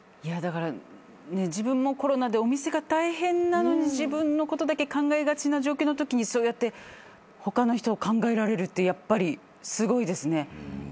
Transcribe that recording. だから自分もコロナでお店が大変なのに自分のことだけ考えがちな状況のときにそうやって他の人を考えられるってやっぱりすごいですね。